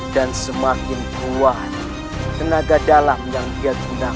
dan semakin kuat tenaga dalam yang dia gunakan